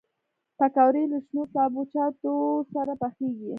پکورې له شنو سابهجاتو سره پخېږي